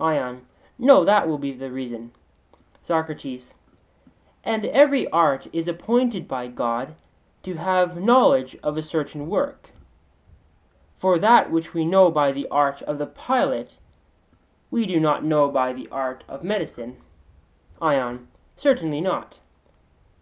ION: No, that will be the reason. SOCRATES: And every art is appointed by God to have knowledge of a certain work; for that which we know by the art of the pilot we do not know by the art of medicine? ION: Certainly not.